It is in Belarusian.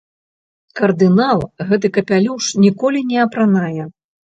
Кардынал гэты капялюш ніколі не апранае.